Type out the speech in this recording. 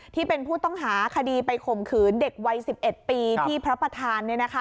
ที่เป็นผู้ต้องหาคดีไปข่มขืนเด็กวัย๑๑ปีที่พระประธาน